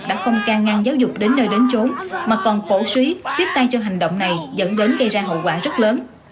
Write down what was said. đã không ca ngang giáo dục đến nơi đến trốn mà còn cổ suý tiếp tay cho hành động này dẫn đến gây ra hậu quả rất lớn